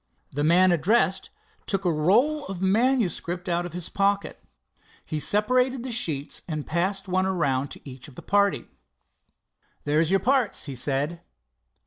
The man addressed took a roll of manuscript out of his pocket. He separated the sheets and passed one around to each of the party. "There's your parts," he said.